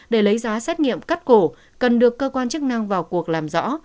để lấy giá xét nghiệm cắt cổ cần được cơ quan chức năng vào cuộc làm rõ